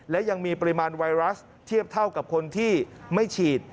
และยังมีปริมาณไวรัสเทียบเท่ากับคนที่ไม่ฉีด